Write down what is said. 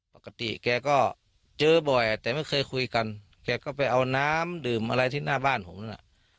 ปกติแกก็เจอบ่อยแต่ไม่เคยคุยกันแกก็ไปเอาน้ำดื่มอะไรที่หน้าบ้านผมน่ะ